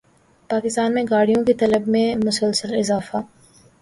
پاکستان میں گاڑیوں کی طلب میں مسلسل اضافہ